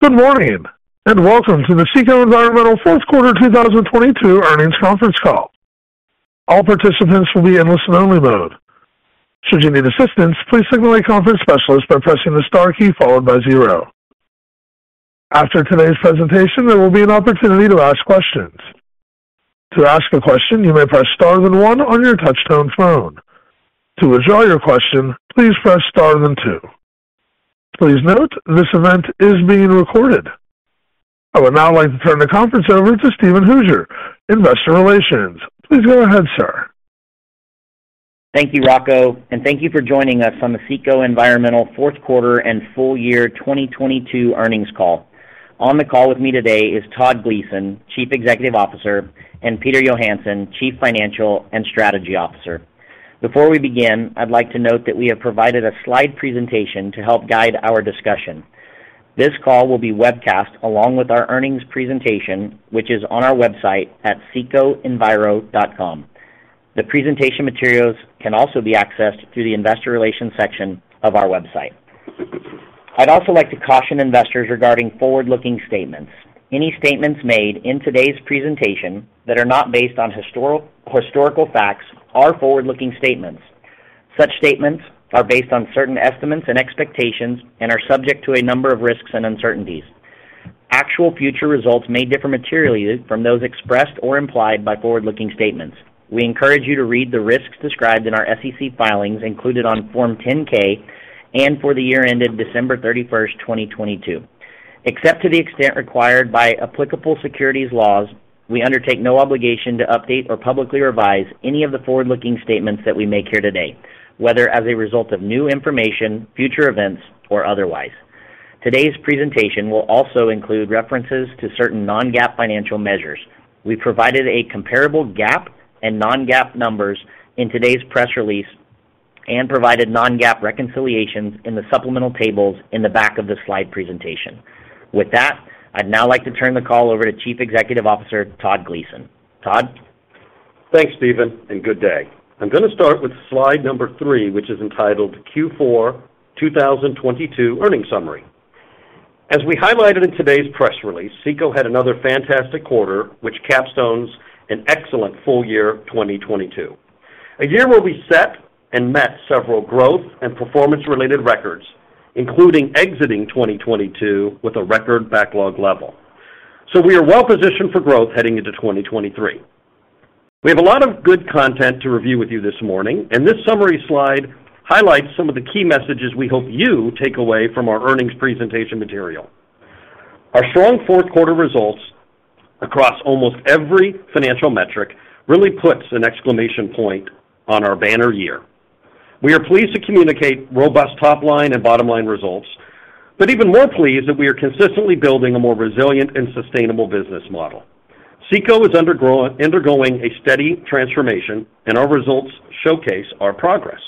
Good morning, and welcome to the CECO Environmental fourth quarter 2022 earnings conference call. All participants will be in listen-only mode. Should you need assistance, please signal a conference specialist by pressing the star key followed by zero. After today's presentation, there will be an opportunity to ask questions. To ask a question, you may press star then one on your touchtone phone. To withdraw your question, please press star then two. Please note this event is being recorded. I would now like to turn the conference over to Steven Hooser, Investor Relations. Please go ahead, sir. Thank you, Rocco. Thank you for joining us on the CECO Environmental fourth quarter and full year 2022 earnings call. On the call with me today is Todd Gleason, Chief Executive Officer, and Peter Johansson, Chief Financial and Strategy Officer. Before we begin, I'd like to note that we have provided a slide presentation to help guide our discussion. This call will be webcast along with our earnings presentation, which is on our website at cecoenviro.com. The presentation materials can also be accessed through the investor relations section of our website. I'd also like to caution investors regarding forward-looking statements. Any statements made in today's presentation that are not based on historical facts are forward-looking statements. Such statements are based on certain estimates and expectations and are subject to a number of risks and uncertainties. Actual future results may differ materially from those expressed or implied by forward-looking statements. We encourage you to read the risks described in our SEC filings included on Form 10-K and for the year ended December 31st, 2022. Except to the extent required by applicable securities laws, we undertake no obligation to update or publicly revise any of the forward-looking statements that we make here today, whether as a result of new information, future events or otherwise. Today's presentation will also include references to certain non-GAAP financial measures. We provided a comparable GAAP and non-GAAP numbers in today's press release and provided non-GAAP reconciliations in the supplemental tables in the back of the slide presentation. With that, I'd now like to turn the call over to Chief Executive Officer, Todd Gleason. Todd. Thanks, Steven. Good day. I'm gonna start with slide number three, which is entitled Q4 2022 earnings summary. As we highlighted in today's press release, CECO had another fantastic quarter which capstones an excellent full year 2022. A year where we set and met several growth and performance-related records, including exiting 2022 with a record backlog level. We are well positioned for growth heading into 2023. We have a lot of good content to review with you this morning. This summary slide highlights some of the key messages we hope you take away from our earnings presentation material. Our strong fourth quarter results across almost every financial metric really puts an exclamation point on our banner year. We are pleased to communicate robust top line and bottom line results, but even more pleased that we are consistently building a more resilient and sustainable business model. CECO is undergoing a steady transformation and our results showcase our progress.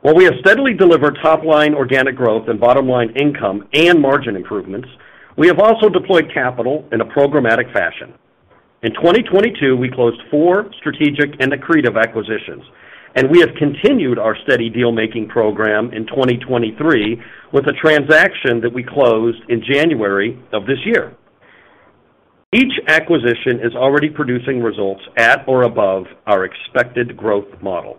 While we have steadily delivered top line organic growth and bottom line income and margin improvements, we have also deployed capital in a programmatic fashion. In 2022, we closed four strategic and accretive acquisitions, and we have continued our steady deal-making program in 2023 with a transaction that we closed in January of this year. Each acquisition is already producing results at or above our expected growth model.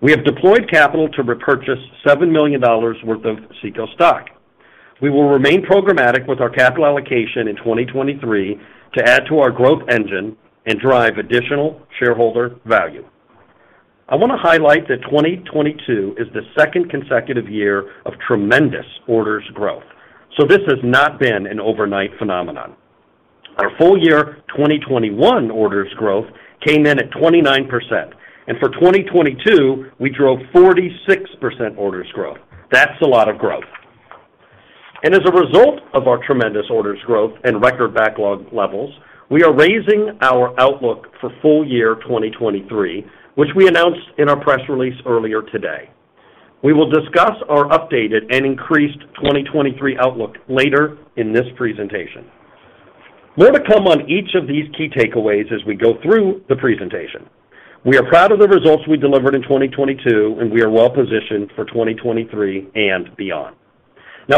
We have deployed capital to repurchase $7 million worth of CECO stock. We will remain programmatic with our capital allocation in 2023 to add to our growth engine and drive additional shareholder value. I want to highlight that 2022 is the second consecutive year of tremendous orders growth, so this has not been an overnight phenomenon. Our full year 2021 orders growth came in at 29%, and for 2022, we drove 46% orders growth. That's a lot of growth. As a result of our tremendous orders growth and record backlog levels, we are raising our outlook for full year 2023 which we announced in our press release earlier today. We will discuss our updated and increased 2023 outlook later in this presentation. More to come on each of these key takeaways as we go through the presentation. We are proud of the results we delivered in 2022 and we are well positioned for 2023 and beyond.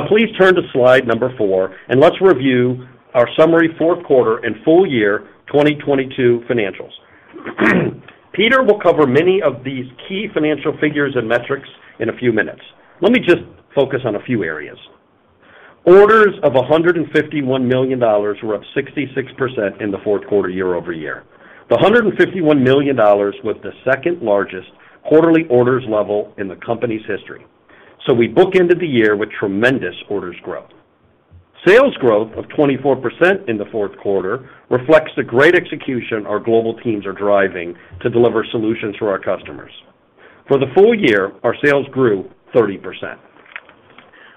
Please turn to slide number four and let's review our summary fourth quarter and full year 2022 financials. Peter will cover many of these key financial figures and metrics in a few minutes. Let me just focus on a few areas. Orders of $151 million were up 66% in the fourth quarter year-over-year. The $151 million was the second largest quarterly orders level in the company's history. We bookended the year with tremendous orders growth. Sales growth of 24% in the fourth quarter reflects the great execution our global teams are driving to deliver solutions for our customers. For the full year, our sales grew 30%.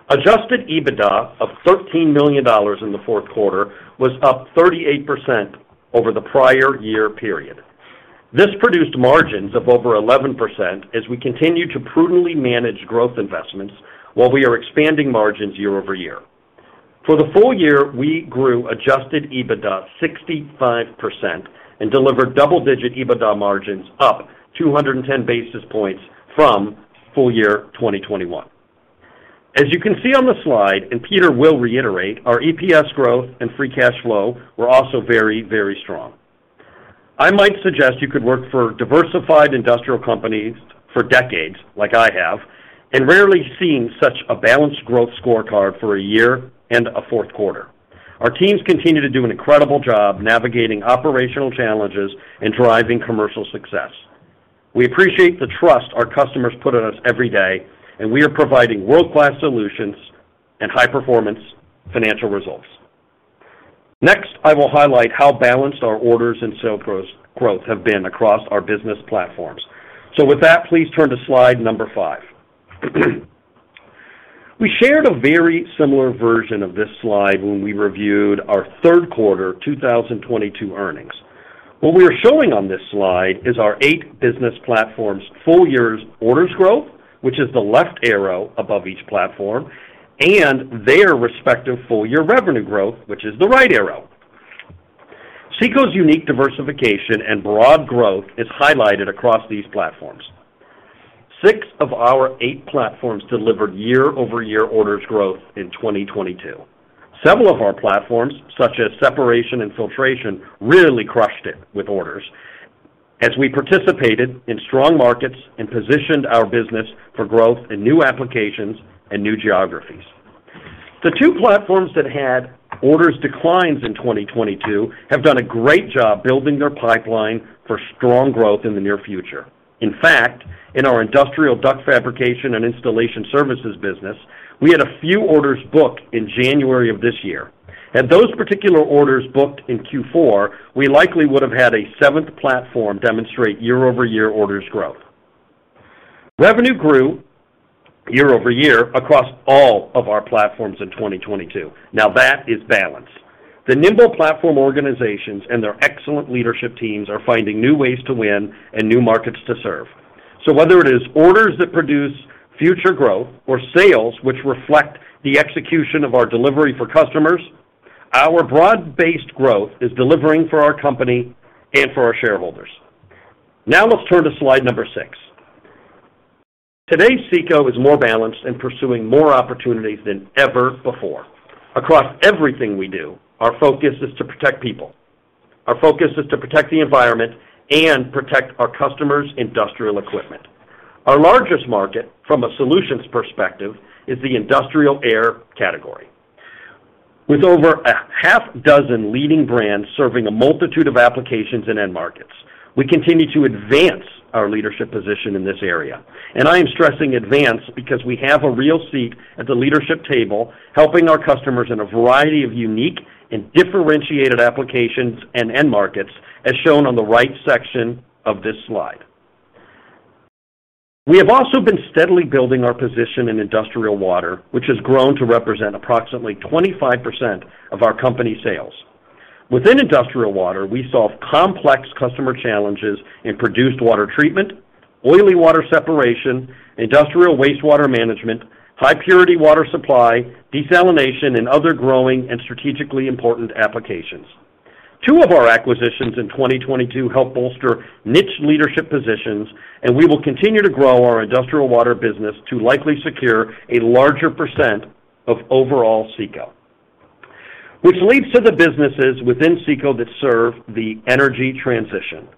Adjusted EBITDA of $13 million in the fourth quarter was up 38% over the prior year period. This produced margins of over 11% as we continue to prudently manage growth investments while we are expanding margins year-over-year. For the full year, we grew adjusted EBITDA 65% and delivered double-digit EBITDA margins up 210 basis points from full year 2021. As you can see on the slide, Peter will reiterate, our EPS growth and free cash flow were also very, very strong. I might suggest you could work for diversified industrial companies for decades like I have and rarely seen such a balanced growth scorecard for a year and a fourth quarter. Our teams continue to do an incredible job navigating operational challenges and driving commercial success. We appreciate the trust our customers put in us every day. We are providing world-class solutions and high performance financial results. Next, I will highlight how balanced our orders and sales growth have been across our business platforms. With that, please turn to slide number five. We shared a very similar version of this slide when we reviewed our third quarter 2022 earnings. What we are showing on this slide is our eight business platforms' full years orders growth, which is the left arrow above each platform, and their respective full year revenue growth, which is the right arrow. CECO's unique diversification and broad growth is highlighted across these platforms. Six of our eight platforms delivered year-over-year orders growth in 2022. Several of our platforms, such as Separation and Filtration, really crushed it with orders as we participated in strong markets and positioned our business for growth in new applications and new geographies. The two platforms that had orders declines in 2022 have done a great job building their pipeline for strong growth in the near future. In fact, in our industrial duct fabrication and installation services business, we had a few orders booked in January of this year. Had those particular orders booked in Q4, we likely would have had a seventh platform demonstrate year-over-year orders growth. Revenue grew year over year across all of our platforms in 2022. That is balanced. The nimble platform organizations and their excellent leadership teams are finding new ways to win and new markets to serve. Whether it is orders that produce future growth or sales which reflect the execution of our delivery for customers, our broad-based growth is delivering for our company and for our shareholders. Let's turn to slide number six. Today, CECO is more balanced in pursuing more opportunities than ever before. Across everything we do, our focus is to protect people. Our focus is to protect the environment and protect our customers' industrial equipment. Our largest market from a solutions perspective is the industrial air category. With over a half dozen leading brands serving a multitude of applications and end markets, we continue to advance our leadership position in this area. I am stressing advance because we have a real seat at the leadership table, helping our customers in a variety of unique and differentiated applications and end markets, as shown on the right section of this slide. We have also been steadily building our position in industrial water, which has grown to represent approximately 25% of our company sales. Within industrial water, we solve complex customer challenges in produced water treatment, oily water separation, industrial wastewater management, high purity water supply, desalination, and other growing and strategically important applications. Two of our acquisitions in 2022 help bolster niche leadership positions, and we will continue to grow our industrial water business to likely secure a larger percent of overall CECO. Leads to the businesses within CECO that serve the energy transition.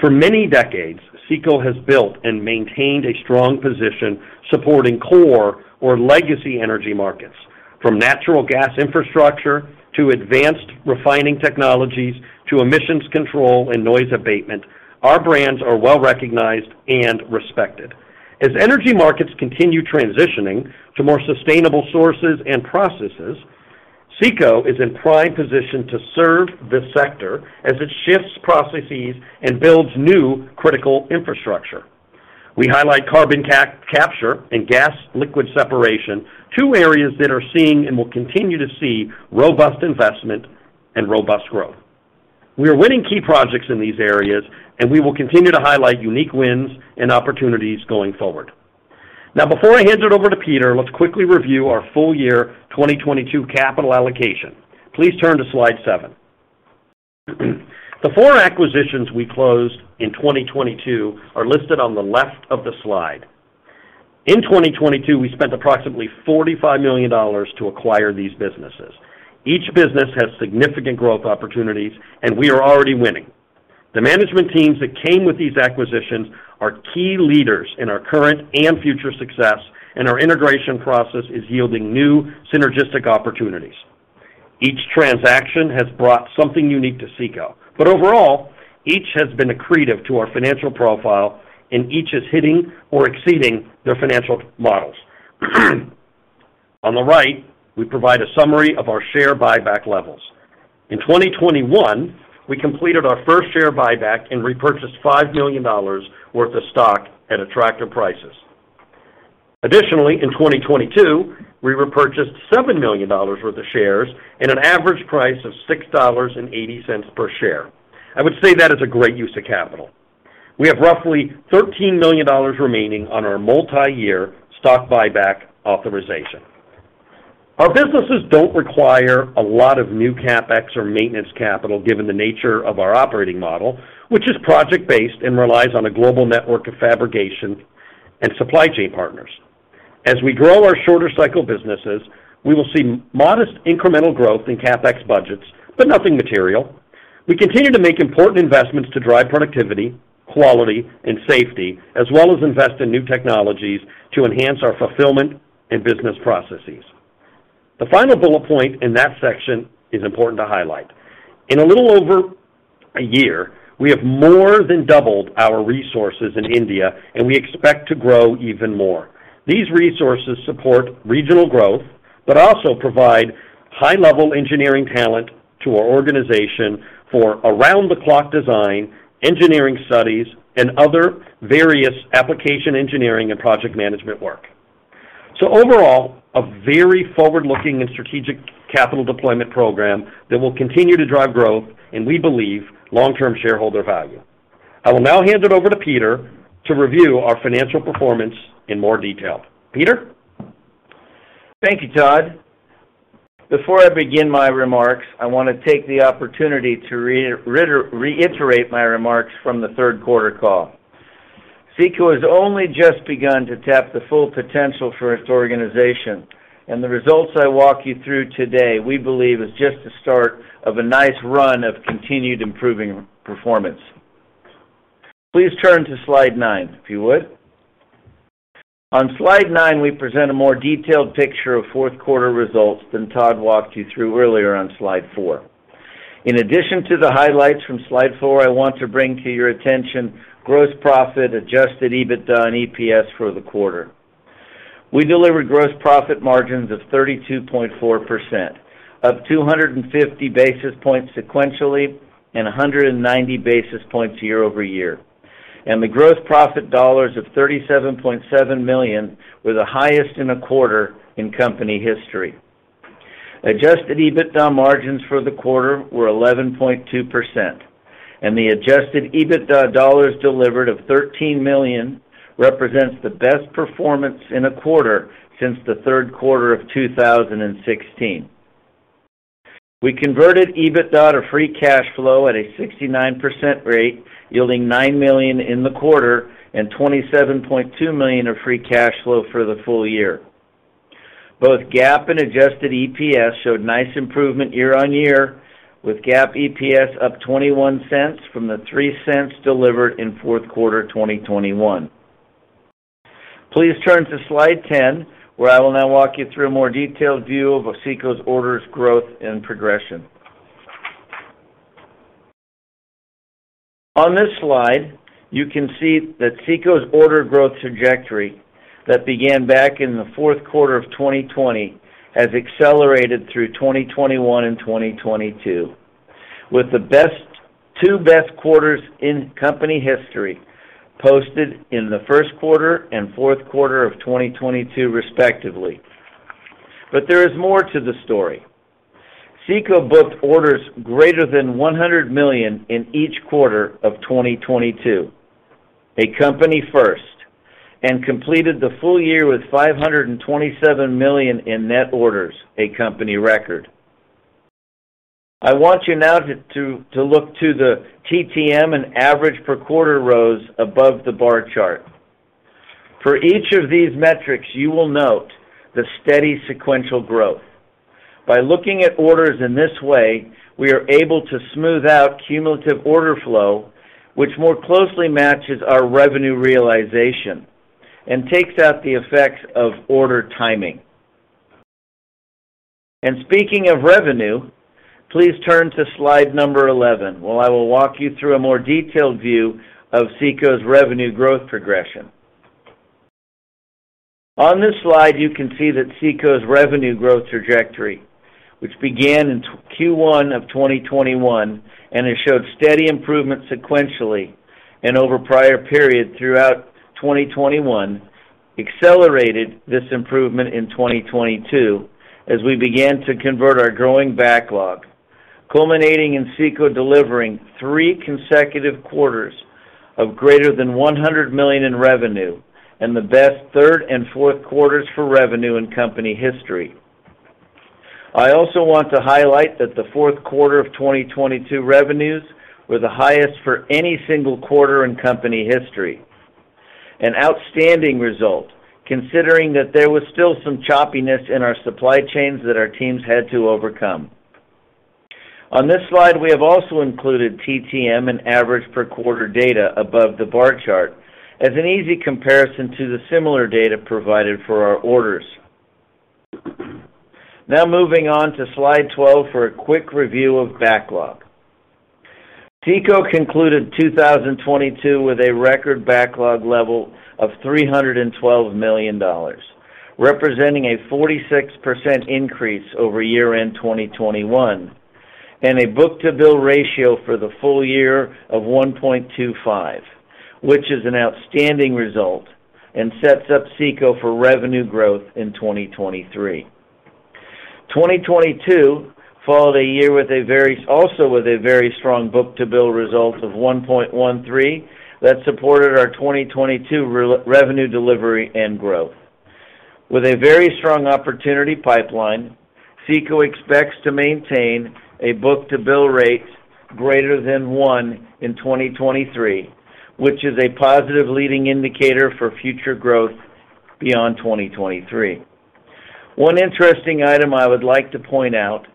For many decades, CECO has built and maintained a strong position supporting core or legacy energy markets. From natural gas infrastructure to advanced refining technologies to emissions control and noise abatement, our brands are well-recognized and respected. As energy markets continue transitioning to more sustainable sources and processes, CECO is in prime position to serve the sector as it shifts processes and builds new critical infrastructure. We highlight carbon capture and gas liquid separation, two areas that are seeing and will continue to see robust investment and robust growth. We are winning key projects in these areas. We will continue to highlight unique wins and opportunities going forward. Before I hand it over to Peter, let's quickly review our full year 2022 capital allocation. Please turn to slide seven. The four acquisitions we closed in 2022 are listed on the left of the slide. In 2022, we spent approximately $45 million to acquire these businesses. Each business has significant growth opportunities. We are already winning. The management teams that came with these acquisitions are key leaders in our current and future success. Our integration process is yielding new synergistic opportunities. Each transaction has brought something unique to CECO. Overall, each has been accretive to our financial profile and each is hitting or exceeding their financial models. On the right, we provide a summary of our share buyback levels. In 2021, we completed our first share buyback and repurchased $5 million worth of stock at attractive prices. Additionally, in 2022, we repurchased $7 million worth of shares at an average price of $6.80 per share. I would say that is a great use of capital. We have roughly $13 million remaining on our multiyear stock buyback authorization. Our businesses don't require a lot of new CapEx or maintenance capital given the nature of our operating model, which is project-based and relies on a global network of fabrication and supply chain partners. As we grow our shorter cycle businesses, we will see modest incremental growth in CapEx budgets, but nothing material. We continue to make important investments to drive productivity, quality, and safety, as well as invest in new technologies to enhance our fulfillment and business processes. The final bullet point in that section is important to highlight. In a little over a year, we have more than doubled our resources in India, and we expect to grow even more. These resources support regional growth, but also provide high-level engineering talent to our organization for around-the-clock design, engineering studies, and other various application engineering and project management work. Overall, a very forward-looking and strategic capital deployment program that will continue to drive growth and we believe long-term shareholder value. I will now hand it over to Peter to review our financial performance in more detail. Peter? Thank you, Todd. Before I begin my remarks, I wanna take the opportunity to reiterate my remarks from the third quarter call. CECO has only just begun to tap the full potential for its organization, the results I walk you through today, we believe, is just the start of a nice run of continued improving performance. Please turn to slide nine, if you would. On slide nine, we present a more detailed picture of fourth quarter results than Todd walked you through earlier on slide four. In addition to the highlights from slide four, I want to bring to your attention gross profit, adjusted EBITDA, and EPS for the quarter. We delivered gross profit margins of 32.4%, up 250 basis points sequentially and 190 basis points year-over-year. The gross profit dollars of $37.7 million were the highest in a quarter in company history. Adjusted EBITDA margins for the quarter were 11.2%. The adjusted EBITDA dollars delivered of $13 million represents the best performance in a quarter since the third quarter of 2016. We converted EBITDA to free cash flow at a 69% rate, yielding $9 million in the quarter and $27.2 million of free cash flow for the full year. Both GAAP and adjusted EPS showed nice improvement year-on-year, with GAAP EPS up $0.21 from the $0.03 delivered in fourth quarter 2021. Please turn to slide 10, where I will now walk you through a more detailed view of CECO's orders growth and progression. On this slide, you can see that CECO's order growth trajectory that began back in the fourth quarter of 2020 has accelerated through 2021 and 2022, with the two best quarters in company history posted in the first quarter and fourth quarter of 2022, respectively. There is more to the story. CECO booked orders greater than $100 million in each quarter of 2022, a company first, and completed the full year with $527 million in net orders, a company record. I want you now to look to the TTM and average per quarter rows above the bar chart. For each of these metrics, you will note the steady sequential growth. By looking at orders in this way, we are able to smooth out cumulative order flow, which more closely matches our revenue realization and takes out the effects of order timing. Speaking of revenue, please turn to slide number 11, where I will walk you through a more detailed view of CECO's revenue growth progression. On this slide, you can see that CECO's revenue growth trajectory, which began in Q1 of 2021 and it showed steady improvement sequentially and over prior periods throughout 2021, accelerated this improvement in 2022 as we began to convert our growing backlog, culminating in CECO delivering three consecutive quarters of greater than $100 million in revenue and the best third and fourth quarters for revenue in company history. I also want to highlight that the fourth quarter of 2022 revenues were the highest for any single quarter in company history, an outstanding result considering that there was still some choppiness in our supply chains that our teams had to overcome. On this slide, we have also included TTM and average per quarter data above the bar chart as an easy comparison to the similar data provided for our orders. Moving on to slide 12 for a quick review of backlog. CECO concluded 2022 with a record backlog level of $312 million, representing a 46% increase over year-end 2021, and a book-to-bill ratio for the full year of 1.25, which is an outstanding result and sets up CECO for revenue growth in 2023. 2022 followed a year with also a very strong book-to-bill result of 1.13 that supported our 2022 revenue delivery and growth. With a very strong opportunity pipeline, CECO expects to maintain a book-to-bill rate greater than 1 in 2023, which is a positive leading indicator for future growth beyond 2023. One interesting item I would like to point out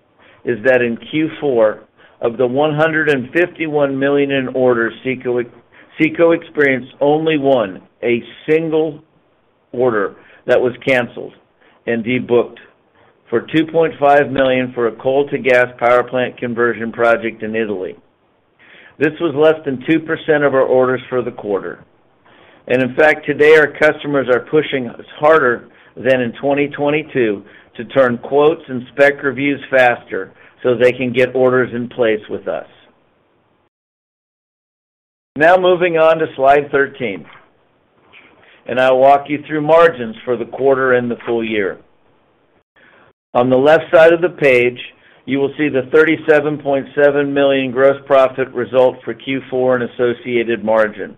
is that in Q4, of the $151 million in orders CECO experienced only one, a single order that was canceled and de-booked for $2.5 million for a coal-to-gas power plant conversion project in Italy. This was less than 2% of our orders for the quarter. In fact, today, our customers are pushing us harder than in 2022 to turn quotes and spec reviews faster so they can get orders in place with us. Moving on to slide 13, and I'll walk you through margins for the quarter and the full year. On the left side of the page, you will see the $37.7 million gross profit result for Q4 and associated margin.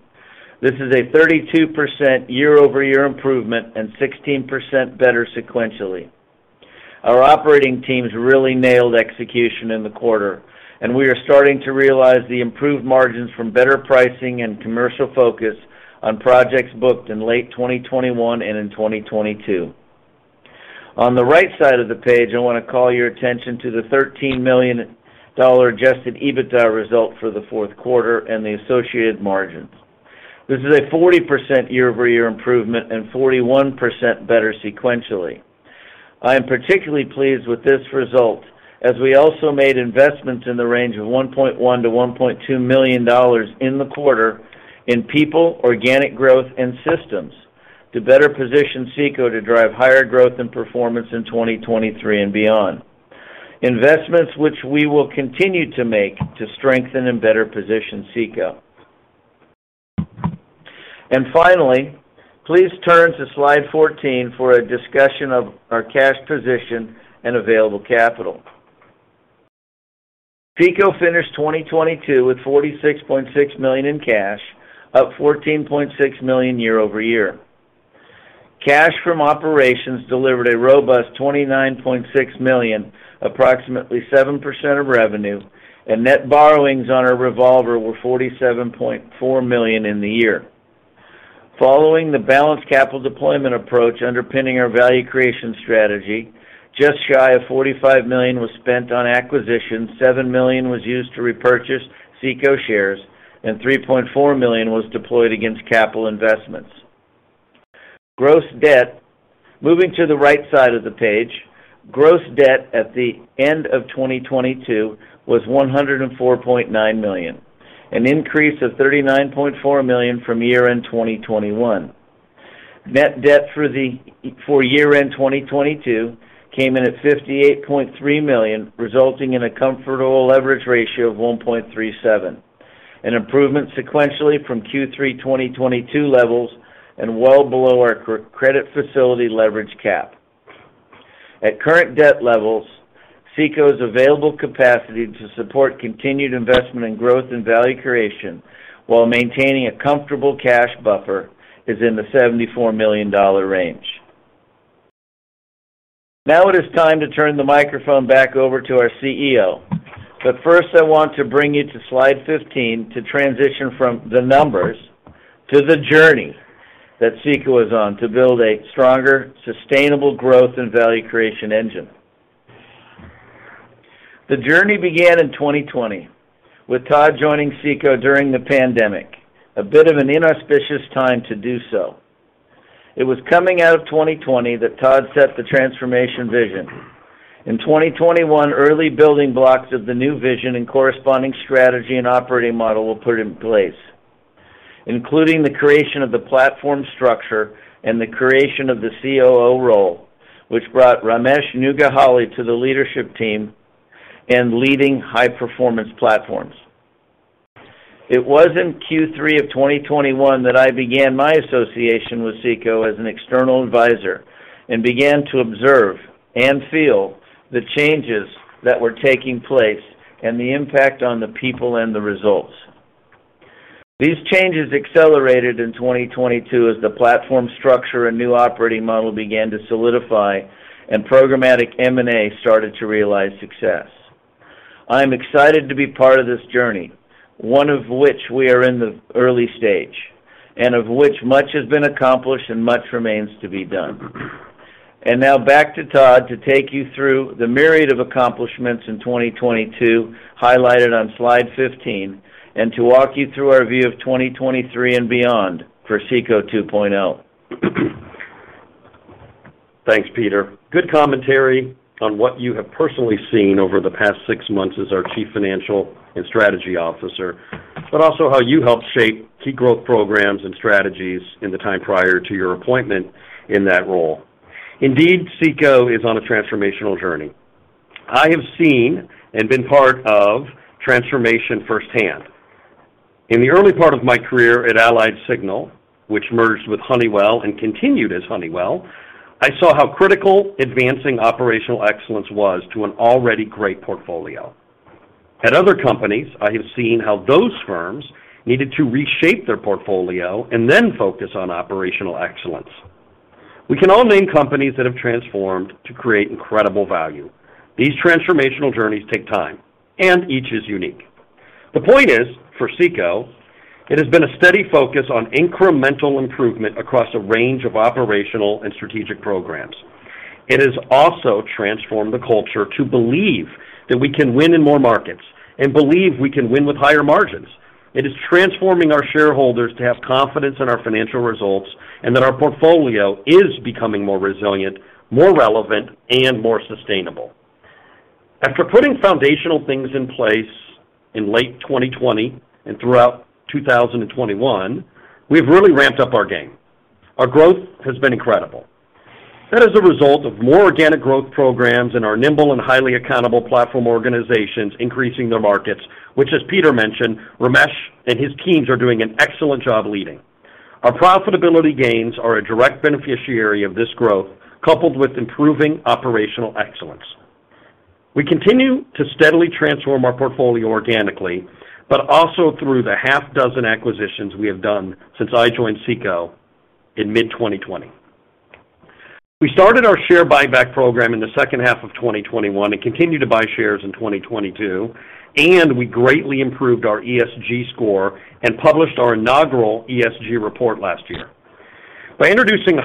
This is a 32% year-over-year improvement and 16% better sequentially. Our operating teams really nailed execution in the quarter. We are starting to realize the improved margins from better pricing and commercial focus on projects booked in late 2021 and in 2022. On the right side of the page, I wanna call your attention to the $13 million adjusted EBITDA result for the fourth quarter and the associated margins. This is a 40% year-over-year improvement and 41% better sequentially. I am particularly pleased with this result as we also made investments in the range of $1.1 million-$1.2 million in the quarter in people, organic growth and systems to better position CECO to drive higher growth and performance in 2023 and beyond. Investments which we will continue to make to strengthen and better position CECO. Finally, please turn to slide 14 for a discussion of our cash position and available capital. CECO finished 2022 with $46.6 million in cash, up $14.6 million year-over-year. Cash from operations delivered a robust $29.6 million, approximately 7% of revenue, and net borrowings on our revolver were $47.4 million in the year. Following the balanced capital deployment approach underpinning our value creation strategy, just shy of $45 million was spent on acquisitions, $7 million was used to repurchase CECO shares, and $3.4 million was deployed against capital investments. Moving to the right side of the page, gross debt at the end of 2022 was $104.9 million, an increase of $39.4 million from year-end 2021. Net debt for year-end 2022 came in at $58.3 million, resulting in a comfortable leverage ratio of 1.37, an improvement sequentially from Q3 2022 levels and well below our credit facility leverage cap. At current debt levels, CECO's available capacity to support continued investment in growth and value creation while maintaining a comfortable cash buffer is in the $74 million range. It is time to turn the microphone back over to our CEO. First, I want to bring you to slide 15 to transition from the numbers to the journey that CECO is on to build a stronger, sustainable growth and value creation engine. The journey began in 2020, with Todd joining CECO during the pandemic, a bit of an inauspicious time to do so. It was coming out of 2020 that Todd set the transformation vision. In 2021, early building blocks of the new vision and corresponding strategy and operating model were put in place, including the creation of the platform structure and the creation of the COO role, which brought Ramesh Nuggihalli to the leadership team and leading high-performance platforms. It was in Q3 of 2021 that I began my association with CECO as an external advisor and began to observe and feel the changes that were taking place and the impact on the people and the results. These changes accelerated in 2022 as the platform structure and new operating model began to solidify and programmatic M&A started to realize success. I am excited to be part of this journey, one of which we are in the early stage, and of which much has been accomplished and much remains to be done. Now back to Todd to take you through the myriad of accomplishments in 2022, highlighted on slide 15, and to walk you through our view of 2023 and beyond for CECO 2.0. Thanks, Peter. Good commentary on what you have personally seen over the past six months as our Chief Financial and Strategy Officer, but also how you helped shape key growth programs and strategies in the time prior to your appointment in that role. Indeed, CECO is on a transformational journey. I have seen and been part of transformation firsthand. In the early part of my career at AlliedSignal, which merged with Honeywell and continued as Honeywell, I saw how critical advancing operational excellence was to an already great portfolio. At other companies, I have seen how those firms needed to reshape their portfolio and then focus on operational excellence. We can all name companies that have transformed to create incredible value. These transformational journeys take time, and each is unique. The point is, for CECO, it has been a steady focus on incremental improvement across a range of operational and strategic programs. It has also transformed the culture to believe that we can win in more markets and believe we can win with higher margins. It is transforming our shareholders to have confidence in our financial results and that our portfolio is becoming more resilient, more relevant, and more sustainable. After putting foundational things in place in late 2020 and throughout 2021, we've really ramped up our game. Our growth has been incredible. That is a result of more organic growth programs and our nimble and highly accountable platform organizations increasing their markets, which as Peter mentioned, Ramesh and his teams are doing an excellent job leading. Our profitability gains are a direct beneficiary of this growth, coupled with improving operational excellence. We continue to steadily transform our portfolio organically, but also through the half dozen acquisitions we have done since I joined CECO in mid-2020. We started our share buyback program in the second half of 2021 and continue to buy shares in 2022, and we greatly improved our ESG score and published our inaugural ESG report last year. By introducing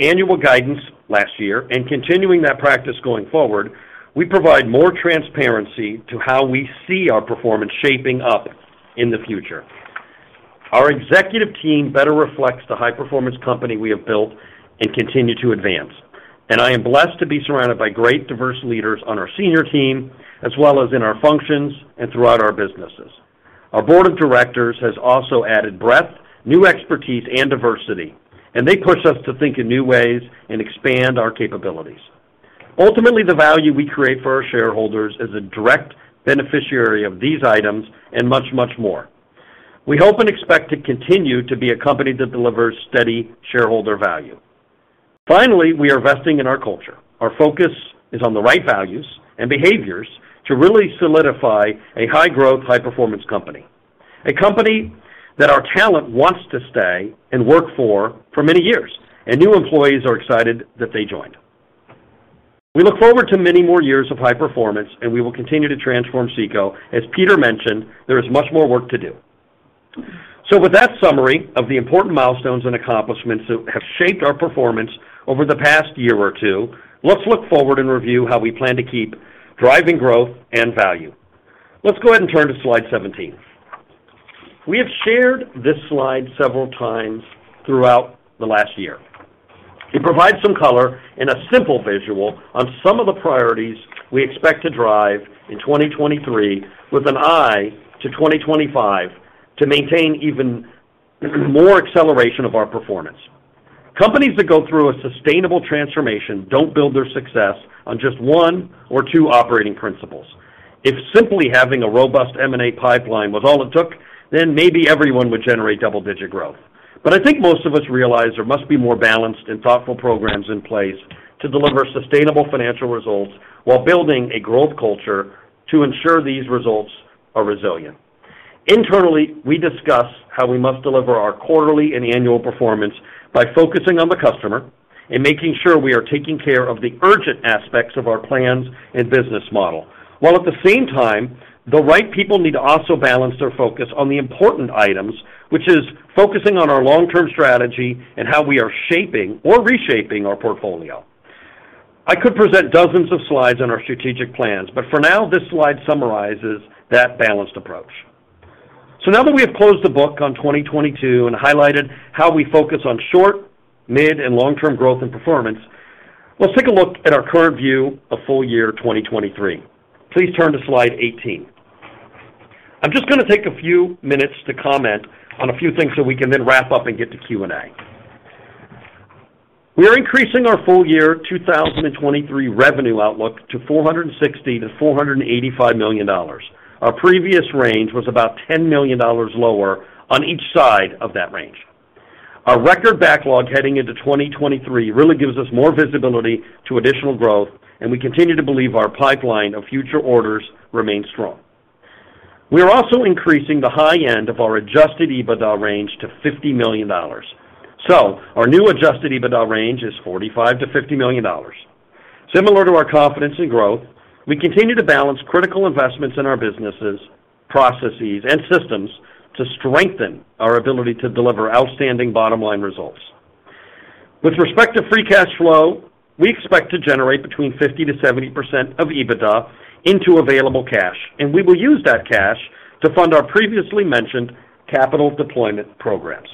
annual guidance last year and continuing that practice going forward, we provide more transparency to how we see our performance shaping up in the future. Our executive team better reflects the high-performance company we have built and continue to advance, and I am blessed to be surrounded by great diverse leaders on our senior team, as well as in our functions and throughout our businesses. Our board of directors has also added breadth, new expertise, and diversity, and they push us to think in new ways and expand our capabilities. Ultimately, the value we create for our shareholders is a direct beneficiary of these items and much, much more. We hope and expect to continue to be a company that delivers steady shareholder value. Finally, we are investing in our culture. Our focus is on the right values and behaviors to really solidify a high-growth, high-performance company, a company that our talent wants to stay and work for for many years, and new employees are excited that they joined. We look forward to many more years of high performance, and we will continue to transform CECO. As Peter mentioned, there is much more work to do. With that summary of the important milestones and accomplishments that have shaped our performance over the past year or two, let's look forward and review how we plan to keep driving growth and value. Let's go ahead and turn to slide 17. We have shared this slide several times throughout the last year. It provides some color and a simple visual on some of the priorities we expect to drive in 2023 with an eye to 2025 to maintain even more acceleration of our performance. Companies that go through a sustainable transformation don't build their success on just one or two operating principles. If simply having a robust M&A pipeline was all it took, then maybe everyone would generate double-digit growth. I think most of us realize there must be more balanced and thoughtful programs in place to deliver sustainable financial results while building a growth culture to ensure these results are resilient. Internally, we discuss how we must deliver our quarterly and annual performance by focusing on the customer and making sure we are taking care of the urgent aspects of our plans and business model. While at the same time, the right people need to also balance their focus on the important items, which is focusing on our long-term strategy and how we are shaping or reshaping our portfolio. I could present dozens of slides on our strategic plans, but for now, this slide summarizes that balanced approach. Now that we have closed the book on 2022 and highlighted how we focus on short, mid, and long-term growth and performance, let's take a look at our current view of full year 2023. Please turn to slide 18. I'm just gonna take a few minutes to comment on a few things so we can then wrap up and get to Q&A. We are increasing our full year 2023 revenue outlook to $460 million-$485 million. Our previous range was about $10 million lower on each side of that range. Our record backlog heading into 2023 really gives us more visibility to additional growth, and we continue to believe our pipeline of future orders remains strong. We are also increasing the high end of our adjusted EBITDA range to $50 million. Our new adjusted EBITDA range is $45 million-$50 million. Similar to our confidence in growth, we continue to balance critical investments in our businesses, processes, and systems to strengthen our ability to deliver outstanding bottom-line results. With respect to free cash flow, we expect to generate between 50%-70% of EBITDA into available cash, and we will use that cash to fund our previously mentioned capital deployment programs.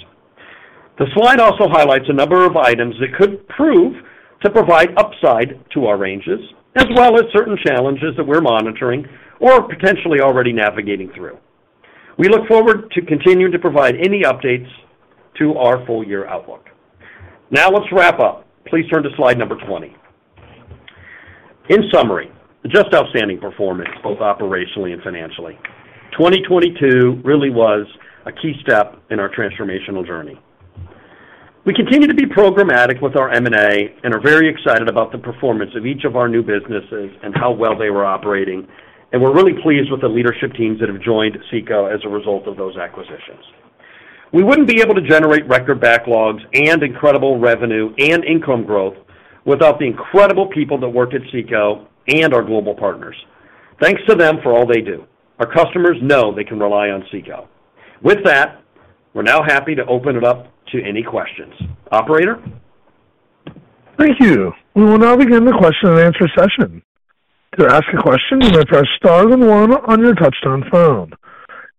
The slide also highlights a number of items that could prove to provide upside to our ranges, as well as certain challenges that we're monitoring or potentially already navigating through. We look forward to continuing to provide any updates to our full year outlook. Now let's wrap up. Please turn to slide number 20. In summary, just outstanding performance both operationally and financially. 2022 really was a key step in our transformational journey. We continue to be programmatic with our M&A and are very excited about the performance of each of our new businesses and how well they were operating. We're really pleased with the leadership teams that have joined CECO as a result of those acquisitions. We wouldn't be able to generate record backlogs and incredible revenue and income growth without the incredible people that work at CECO and our global partners. Thanks to them for all they do. Our customers know they can rely on CECO. With that, we're now happy to open it up to any questions. Operator? Thank you. We will now begin the question-and-answer session. To ask a question, you may press star then one on your touch-tone phone.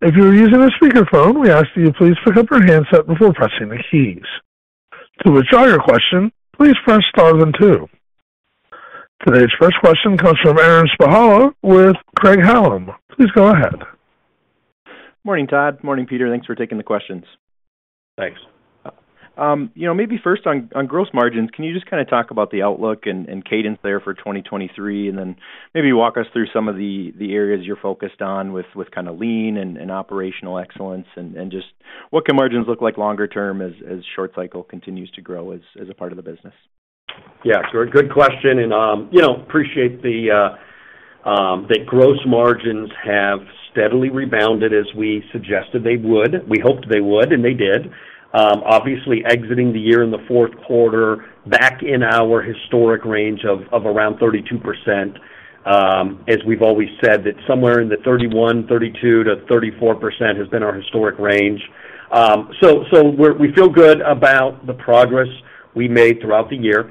If you're using a speakerphone, we ask that you please pick up your handset before pressing the keys. To withdraw your question, please press star then two. Today's first question comes from Aaron Spychalla with Craig-Hallum. Please go ahead. Morning, Todd. Morning, Peter. Thanks for taking the questions. Thanks. You know, maybe first on gross margins, can you just kind of talk about the outlook and cadence there for 2023, and then maybe walk us through some of the areas you're focused on with kinda lean and operational excellence and just what can margins look like longer term as short cycle continues to grow as a part of the business? Yeah, sure. Good question. You know, appreciate that gross margins have steadily rebounded as we suggested they would. We hoped they would. They did. Obviously exiting the year in the fourth quarter back in our historic range of around 32%. As we've always said that somewhere in the 31%, 32%-34% has been our historic range. We feel good about the progress we made throughout the year.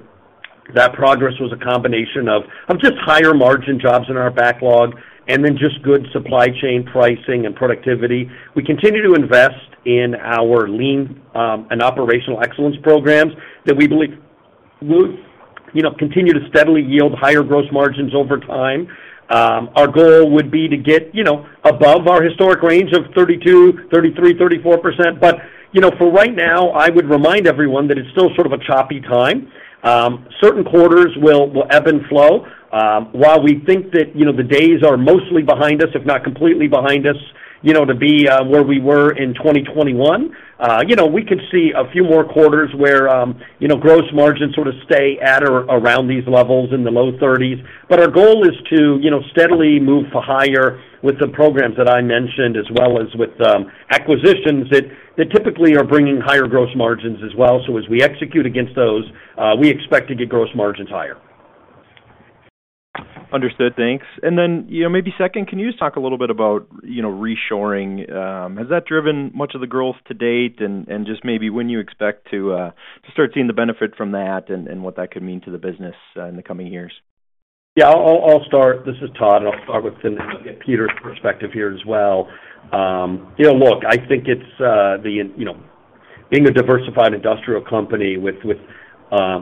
That progress was a combination of just higher margin jobs in our backlog, and then just good supply chain pricing and productivity. We continue to invest in our lean and operational excellence programs that we believe would, you know, continue to steadily yield higher gross margins over time. Our goal would be to get, you know, above our historic range of 32%, 33%, 34%. You know, for right now, I would remind everyone that it's still sort of a choppy time. Certain quarters will ebb and flow. While we think that, you know, the days are mostly behind us, if not completely behind us, you know, to be where we were in 2021, you know, we could see a few more quarters where, you know, gross margins sort of stay at or around these levels in the low 30%s. Our goal is to, you know, steadily move for higher with the programs that I mentioned, as well as with acquisitions that typically are bringing higher gross margins as well. As we execute against those, we expect to get gross margins higher. Understood. Thanks. You know, maybe second, can you just talk a little bit about, you know, reshoring? Has that driven much of the growth to date? Just maybe when you expect to start seeing the benefit from that and what that could mean to the business in the coming years? Yeah. I'll start. This is Todd. I'll start with and then we'll get Peter's perspective here as well. You know, look, I think it's, you know, being a diversified industrial company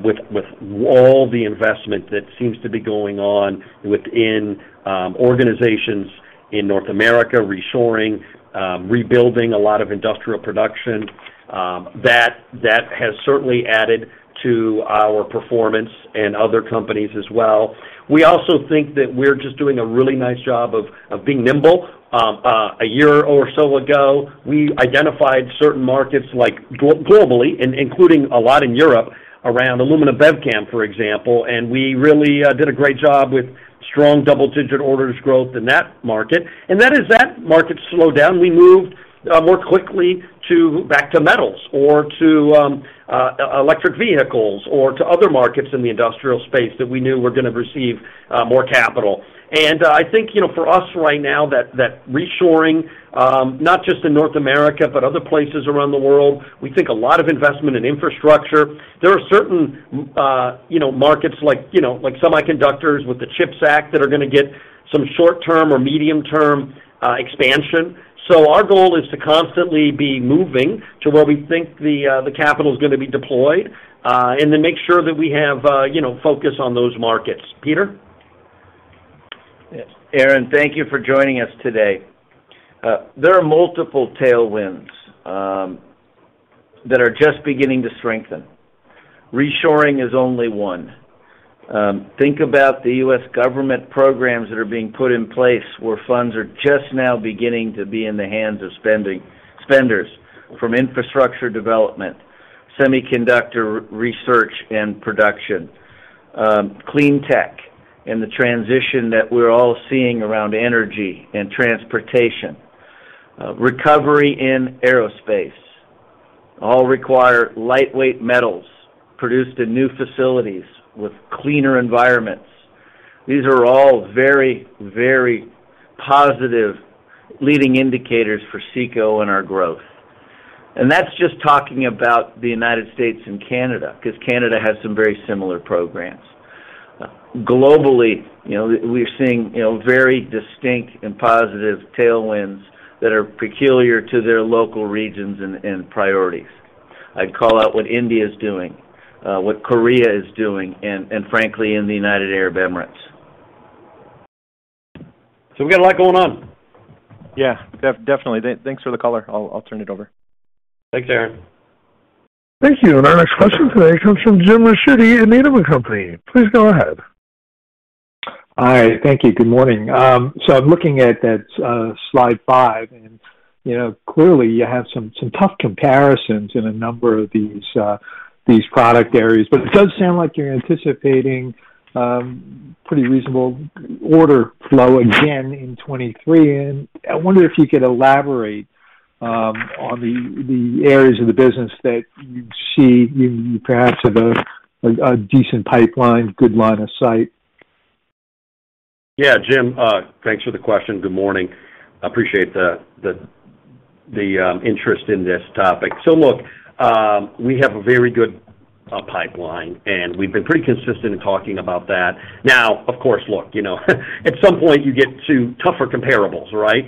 with all the investment that seems to be going on within organizations in North America, reshoring, rebuilding a lot of industrial production, that has certainly added to our performance and other companies as well. We also think that we're just doing a really nice job of being nimble. A year or so ago, we identified certain markets like globally, including a lot in Europe around aluminum bev can, for example. We really did a great job with strong double-digit orders growth in that market. As that market slowed down, we moved more quickly to back to metals or to electric vehicles or to other markets in the industrial space that we knew were gonna receive more capital. I think, you know, for us right now that reshoring, not just in North America, but other places around the world, we think a lot of investment in infrastructure. There are certain, you know, markets like, you know, like semiconductors with the CHIPS Act that are gonna get some short-term or medium-term expansion. Our goal is to constantly be moving to where we think the capital is gonna be deployed and to make sure that we have, you know, focus on those markets. Peter? Yes. Aaron, thank you for joining us today. There are multiple tailwinds that are just beginning to strengthen. Reshoring is only one. Think about the U.S. government programs that are being put in place where funds are just now beginning to be in the hands of spenders from infrastructure development, semiconductor research and production, clean tech, and the transition that we're all seeing around energy and transportation, recovery in aerospace, all require lightweight metals produced in new facilities with cleaner environments. These are all very, very positive leading indicators for CECO and our growth. That's just talking about the United States and Canada, 'cause Canada has some very similar programs. Globally, you know, we're seeing, you know, very distinct and positive tailwinds that are peculiar to their local regions and priorities. I'd call out what India is doing, what Korea is doing, and frankly, in the United Arab Emirates. We got a lot going on. Yeah, definitely. Thanks for the color. I'll turn it over. Thanks, Aaron. Thank you. Our next question today comes from Jim Ricchiuti at Needham & Company. Please go ahead. Hi. Thank you. Good morning. I'm looking at that slide five, and you know, clearly you have some tough comparisons in a number of these product areas. It does sound like you're anticipating pretty reasonable order flow again in 2023. I wonder if you could elaborate on the areas of the business that you see you perhaps have a decent pipeline, good line of sight. Yeah, Jim, thanks for the question. Good morning. Appreciate the interest in this topic. Look, we have a very good pipeline, and we've been pretty consistent in talking about that. Of course, look, you know, at some point you get to tougher comparables, right?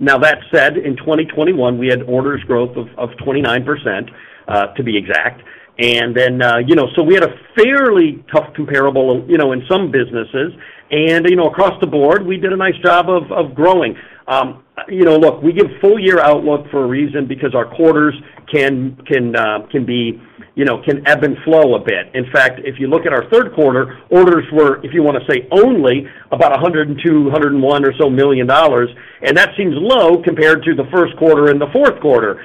Now that said, in 2021, we had orders growth of 29% to be exact. Then, you know, we had a fairly tough comparable, you know, in some businesses. You know, across the board, we did a nice job of growing. You know, look, we give full year outlook for a reason because our quarters can be, you know, can ebb and flow a bit. In fact, if you look at our third quarter, orders were, if you wanna say, only about $102 million, $101 million or so, and that seems low compared to the first quarter and the fourth quarter.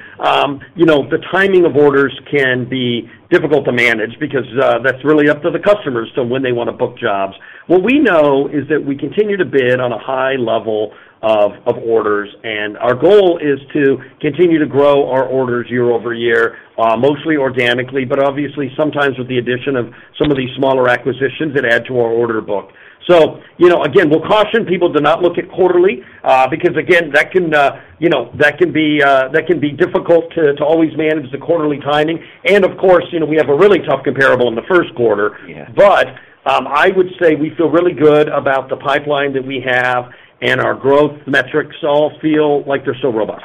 You know, the timing of orders can be difficult to manage because that's really up to the customers to when they wanna book jobs. What we know is that we continue to bid on a high level of orders, and our goal is to continue to grow our orders year-over-year, mostly organically, but obviously sometimes with the addition of some of these smaller acquisitions that add to our order book. You know, again, we'll caution people to not look at quarterly, because again, that can, you know, that can be, that can be difficult to always manage the quarterly timing. Of course, you know, we have a really tough comparable in the first quarter. Yeah. I would say we feel really good about the pipeline that we have, and our growth metrics all feel like they're still robust.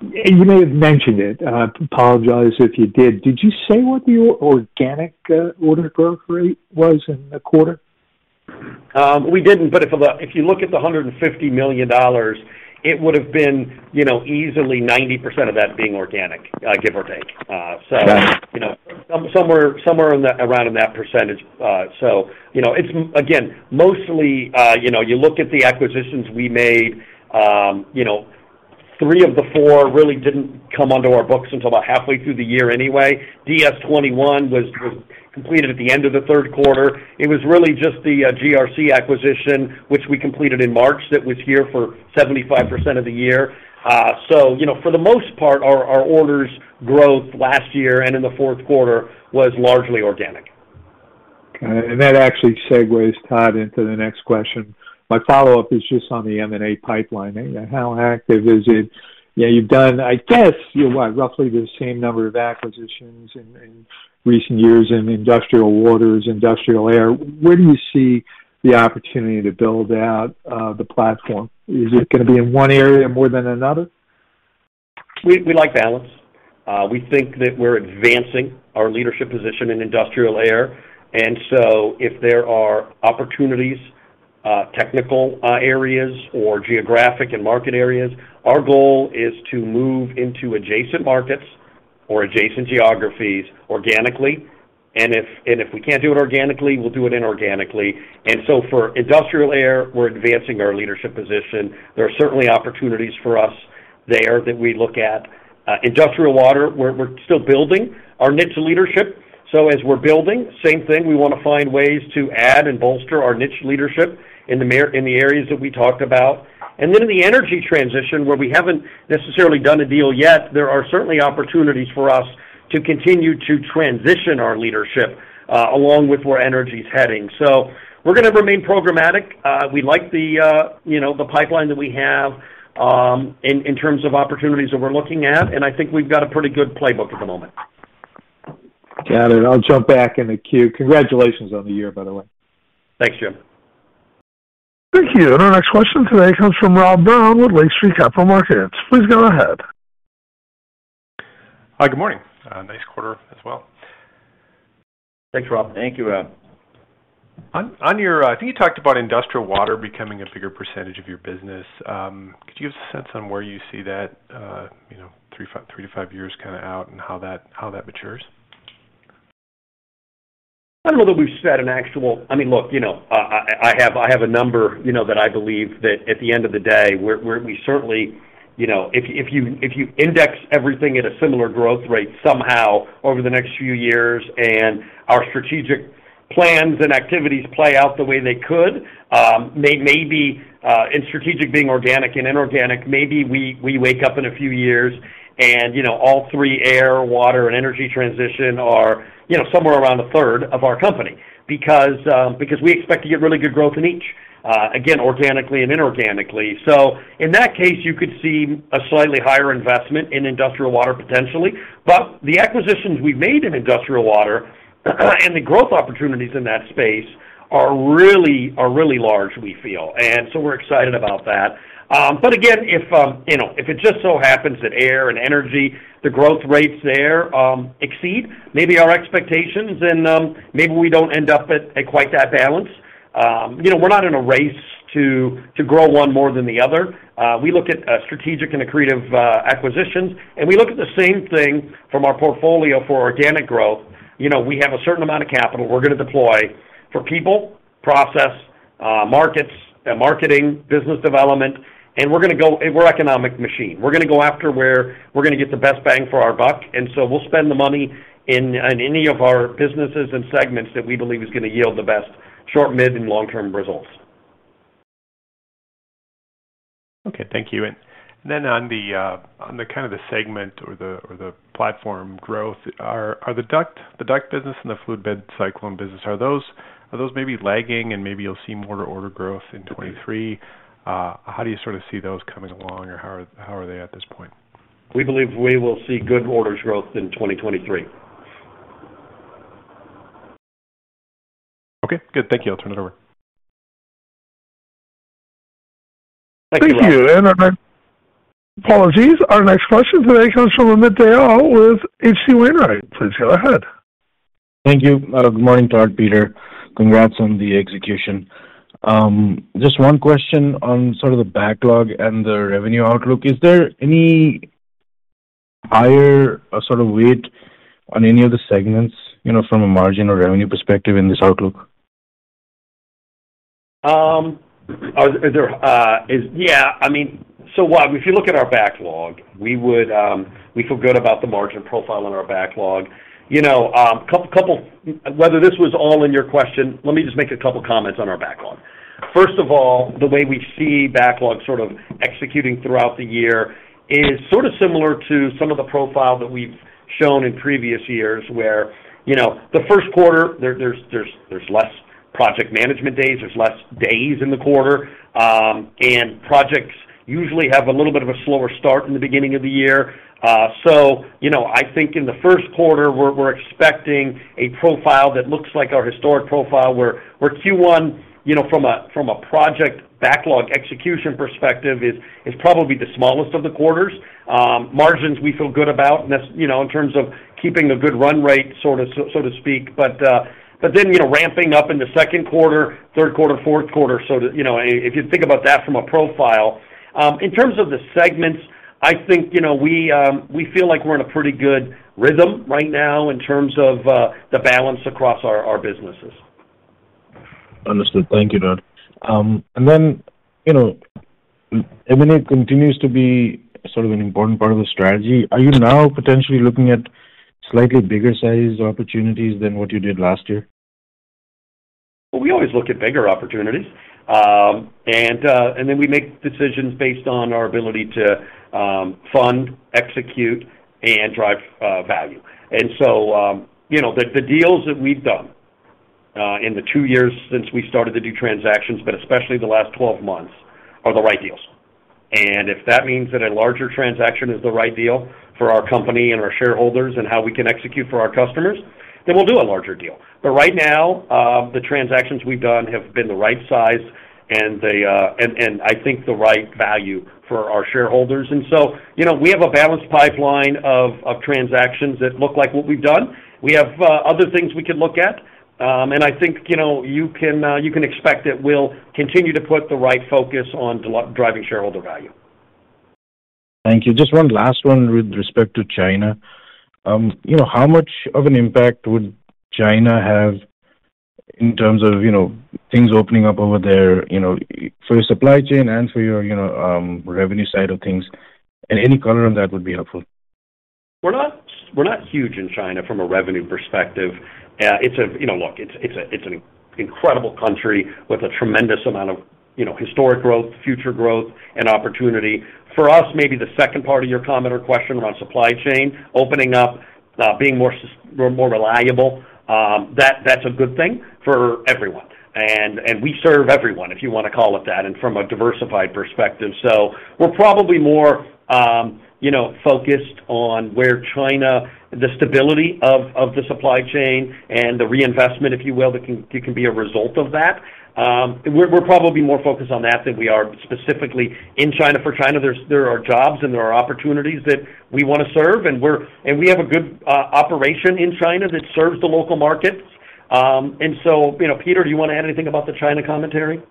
You may have mentioned it. I apologize if you did. Did you say what the organic order growth rate was in the quarter? We didn't. If you look at the $150 million, it would've been, you know, easily 90% of that being organic, give or take. Got it. You know, somewhere in that, around in that percentage. You know, it's again, mostly, you know, you look at the acquisitions we made, you know, three of the four really didn't come onto our books until about halfway through the year anyway. DS21 was completed at the end of the third quarter. It was really just the GRC acquisition, which we completed in March, that was here for 75% of the year. You know, for the most part, our orders growth last year and in the fourth quarter was largely organic. Okay. That actually segues, Todd, into the next question. My follow-up is just on the M&A pipeline. How active is it? You know, you've done, I guess, you know what, roughly the same number of acquisitions in recent years in industrial waters, industrial air. Where do you see the opportunity to build out the platform? Is it gonna be in one area more than another? We like balance. We think that we're advancing our leadership position in industrial air. If there are opportunities, technical areas or geographic and market areas, our goal is to move into adjacent markets or adjacent geographies organically. If we can't do it organically, we'll do it inorganically. For industrial air, we're advancing our leadership position. There are certainly opportunities for us there that we look at. Industrial water, we're still building our niche leadership. As we're building, same thing we wanna find ways to add and bolster our niche leadership in the areas that we talked about. In the energy transition, where we haven't necessarily done a deal yet, there are certainly opportunities for us to continue to transition our leadership along with where energy's heading. We're gonna remain programmatic. We like the, you know, the pipeline that we have, in terms of opportunities that we're looking at, and I think we've got a pretty good playbook at the moment. Got it. I'll jump back in the queue. Congratulations on the year, by the way. Thanks, Jim. Thank you. Our next question today comes from Rob Brown with Lake Street Capital Markets. Please go ahead. Hi, good morning. Nice quarter as well. Thanks, Rob. Thank you, Rob. On your, I think you talked about industrial water becoming a bigger percentage of your business. Could you give us a sense on where you see that, you know, three to five years kinda out, and how that, how that matures? I don't know that we've said an actual. I mean, look, you know, I have a number, you know, that I believe that at the end of the day, we're certainly. If you index everything at a similar growth rate somehow over the next few years, and our strategic plans and activities play out the way they could, they may be, and strategic being organic and inorganic, maybe we wake up in a few years and, you know, all three air, water, and energy transition are, you know, somewhere around a third of our company. Because we expect to get really good growth in each, again, organically and inorganically. In that case, you could see a slightly higher investment in industrial water potentially. The acquisitions we've made in industrial water and the growth opportunities in that space are really large, we feel. We're excited about that. Again, if, you know, if it just so happens that air and energy, the growth rates there, exceed maybe our expectations and, maybe we don't end up at quite that balance. You know, we're not in a race to grow one more than the other. We look at strategic and accretive acquisitions, and we look at the same thing from our portfolio for organic growth. You know, we have a certain amount of capital we're gonna deploy for people, process, markets, marketing, business development, and we're economic machine. We're gonna go after where we're gonna get the best bang for our buck, and so we'll spend the money in any of our businesses and segments that we believe is gonna yield the best short, mid, and long-term results. Thank you. Then on the, on the kind of the segment or the, or the platform growth, are the duct business and the Fluid Bed Cyclone business, are those maybe lagging and maybe you'll see more order growth in 2023? How do you sort of see those coming along or how are they at this point? We believe we will see good orders growth in 2023. Okay, good. Thank you. I'll turn it over. Thank you. Thank you. Apologies. Our next question today comes from Amit Dayal with H.C. Wainwright. Please go ahead. Thank you. Good morning, Todd, Peter. Congrats on the execution. Just one question on sort of the backlog and the revenue outlook. Is there any higher sort of weight on any of the segments, you know, from a margin or revenue perspective in this outlook? I mean, If you look at our backlog, we feel good about the margin profile on our backlog. You know, whether this was all in your question, let me just make a couple of comments on our backlog. First of all, the way we see backlog sort of executing throughout the year is sort of similar to some of the profile that we've shown in previous years, where, you know, the first quarter there's less project management days, there's less days in the quarter, and projects usually have a little bit of a slower start in the beginning of the year. You know, I think in the first quarter, we're expecting a profile that looks like our historic profile, where Q1, you know, from a, from a project backlog execution perspective is probably the smallest of the quarters. Margins we feel good about, and that's, you know, in terms of keeping a good run rate, so to speak. You know, ramping up in the second quarter, third quarter, fourth quarter so that, you know, if you think about that from a profile. In terms of the segments, I think, you know, we feel like we're in a pretty good rhythm right now in terms of the balance across our businesses. Understood. Thank you, Todd. You know, M&A continues to be sort of an important part of the strategy. Are you now potentially looking at slightly bigger sized opportunities than what you did last year? We always look at bigger opportunities. And then we make decisions based on our ability to fund, execute, and drive value. You know, the deals that we've done in the two years since we started to do transactions, but especially the last 12 months, are the right deals. If that means that a larger transaction is the right deal for our company and our shareholders and how we can execute for our customers, then we'll do a larger deal. Right now, the transactions we've done have been the right size and I think the right value for our shareholders. You know, we have a balanced pipeline of transactions that look like what we've done. We have other things we can look at. I think, you know, you can expect that we'll continue to put the right focus on driving shareholder value. Thank you. Just one last one with respect to China. You know, how much of an impact would China have in terms of, you know, things opening up over there, you know, for your supply chain and for your, you know, revenue side of things? Any color on that would be helpful. We're not huge in China from a revenue perspective. You know, look, it's an incredible country with a tremendous amount of, you know, historic growth, future growth, and opportunity. For us, maybe the second part of your comment or question around supply chain opening up, being more reliable, that's a good thing for everyone. We serve everyone, if you wanna call it that, from a diversified perspective. We're probably more, you know, focused on where China, the stability of the supply chain and the reinvestment, if you will, that can be a result of that. We're probably more focused on that than we are specifically in China. For China, there are jobs and there are opportunities that we wanna serve. We have a good operation in China that serves the local markets. You know, Peter, do you wanna add anything about the China commentary?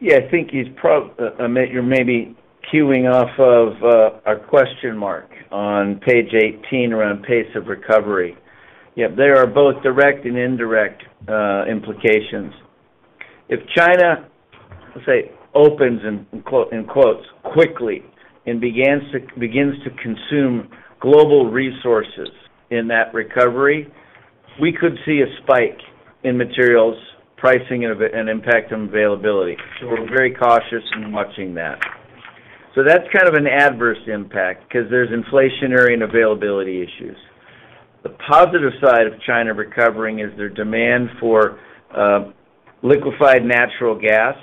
Yeah, I think he's Amit, you're maybe queuing off of a question mark on page 18 around pace of recovery. Yeah, there are both direct and indirect implications. If China, let's say, opens quickly and begins to consume global resources in that recovery, we could see a spike in materials pricing and impact on availability. We're very cautious in watching that. That's kind of an adverse impact ’cause there's inflationary and availability issues. The positive side of China recovering is their demand for liquefied natural gas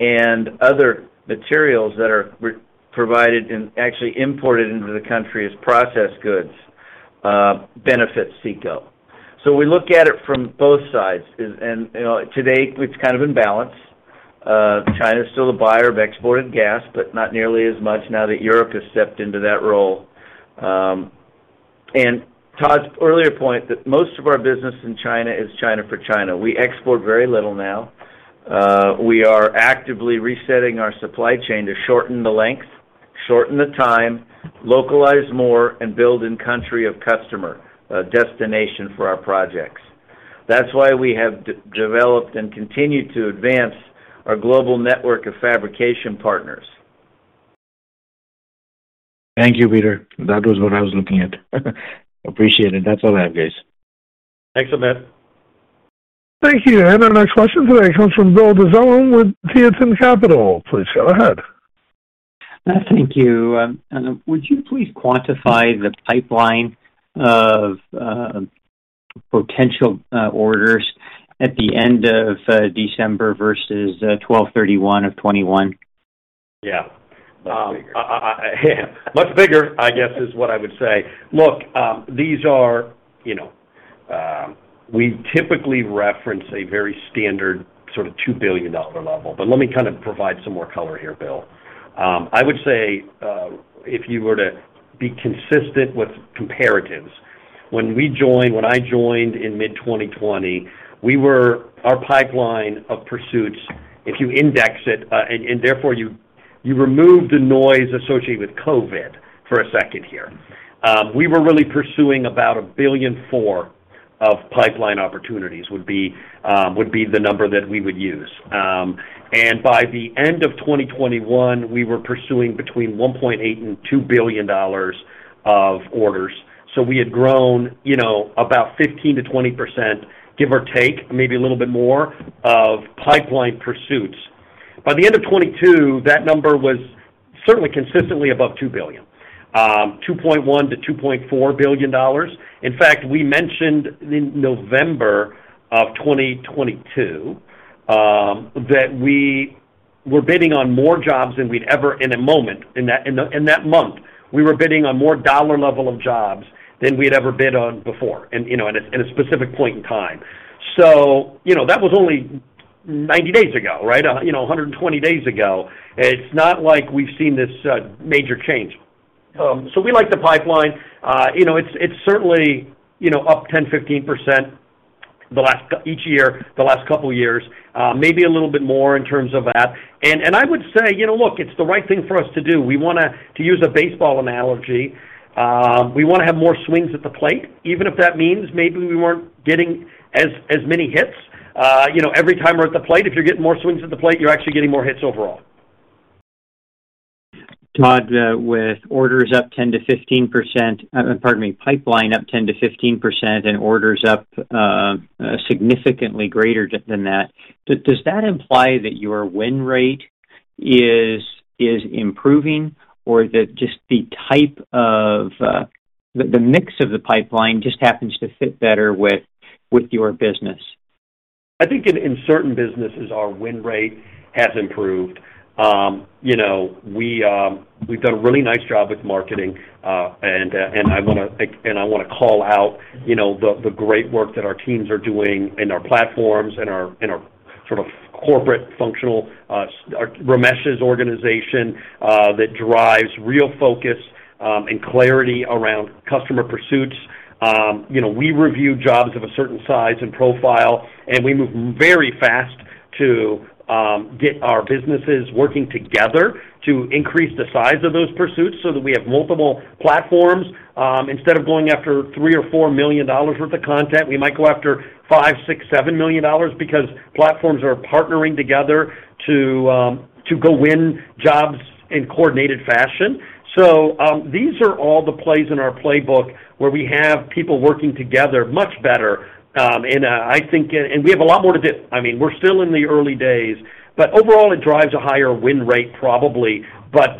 and other materials that are provided and actually imported into the country as processed goods benefit CECO. You know, today it's kind of in balance. China's still a buyer of exported gas, but not nearly as much now that Europe has stepped into that role. Todd's earlier point that most of our business in China is China for China. We export very little now. We are actively resetting our supply chain to shorten the length, shorten the time, localize more, and build in country of customer destination for our projects. That's why we have de-developed and continue to advance our global network of fabrication partners. Thank you, Peter. That was what I was looking at. Appreciate it. That's all I have, guys. Thanks, Amit. Thank you. Our next question today comes from William Dezellem with Tieton Capital. Please go ahead. Thank you. Would you please quantify the pipeline of potential orders at the end of December versus 12/31/2021? Yeah. Much bigger. I. Much bigger, I guess, is what I would say. Look, these are, you know, we typically reference a very standard sort of $2 billion level. Let me kind of provide some more color here, Bill. I would say, if you were to be consistent with comparatives, when we joined, when I joined in mid-2020, our pipeline of pursuits, if you index it, and therefore you remove the noise associated with COVID for a second here, we were really pursuing about $1.4 billion of pipeline opportunities, would be the number that we would use. By the end of 2021, we were pursuing between $1.8 billion and $2 billion of orders. We had grown, you know, about 15%-20%, give or take, maybe a little bit more, of pipeline pursuits. By the end of 2022, that number was certainly consistently above $2 billion, $2.1 billion-$2.4 billion. In fact, we mentioned in November of 2022, that we were bidding on more jobs than we'd ever in a moment. In that month, we were bidding on more $1 level of jobs than we'd ever bid on before and, you know, at a specific point in time. You know, that was only 90 days ago, right? You know, 120 days ago. It's not like we've seen this, major change. We like the pipeline. You know, it's certainly, you know, up 10%, 15% each year, the last couple years, maybe a little bit more in terms of that. I would say, you know, look, it's the right thing for us to do. We wanna, to use a baseball analogy, we wanna have more swings at the plate, even if that means maybe we weren't getting as many hits. you know, every time we're at the plate, if you're getting more swings at the plate, you're actually getting more hits overall. Todd, with orders up 10%-15%, pardon me, pipeline up 10%-15% and orders up, significantly greater than that, does that imply that your win rate is improving or that just the type of, the mix of the pipeline just happens to fit better with your business? I think in certain businesses, our win rate has improved. You know, we've done a really nice job with marketing. I wanna call out, you know, the great work that our teams are doing in our platforms and our sort of corporate functional, Ramesh's organization, that drives real focus, clarity around customer pursuits. You know, we review jobs of a certain size and profile. We move very fast to get our businesses working together to increase the size of those pursuits, so that we have multiple platforms. Instead of going after $3 million-$4 million worth of content, we might go after $5 million, $6 million, $7 million because platforms are partnering together to go win jobs in coordinated fashion. These are all the plays in our playbook where we have people working together much better. I think, and we have a lot more to do. I mean, we're still in the early days, but overall, it drives a higher win rate, probably.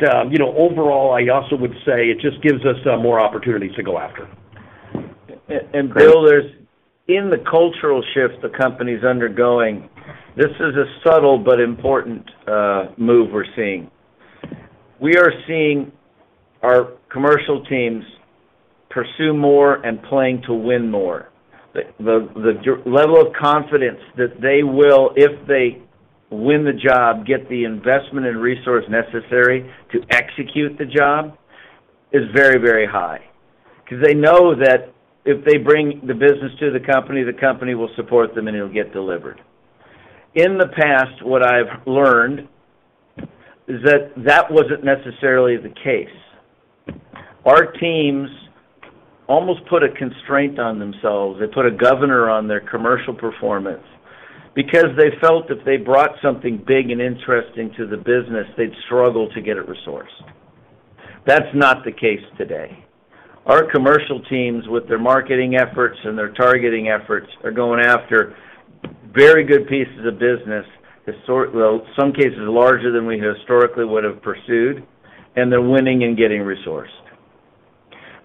You know, overall, I also would say it just gives us more opportunities to go after. Bill, in the cultural shift the company's undergoing, this is a subtle but important move we're seeing. We are seeing our commercial teams pursue more and playing to win more. The level of confidence that they will, if they win the job, get the investment and resource necessary to execute the job is very high. Cause they know that if they bring the business to the company, the company will support them, and it'll get delivered. In the past, what I've learned is that that wasn't necessarily the case. Our teams almost put a constraint on themselves. They put a governor on their commercial performance because they felt if they brought something big and interesting to the business, they'd struggle to get it resourced. That's not the case today. Our commercial teams, with their marketing efforts and their targeting efforts, are going after very good pieces of business, well, some cases larger than we historically would have pursued, and they're winning and getting resourced.